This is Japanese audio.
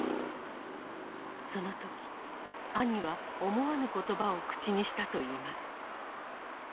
その時兄は思わぬ言葉を口にしたといいます。